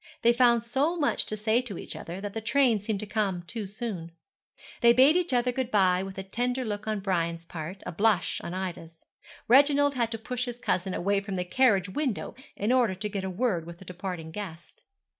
They found so much to say to each other, that the train seemed to come too soon. They bade each other good bye with a tender look on Brian's part, a blush on Ida's. Reginald had to push his cousin away from the carriage window, in order to get a word with the departing guest.